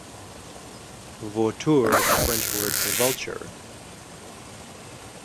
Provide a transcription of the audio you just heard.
"Vautour" is the French word for vulture.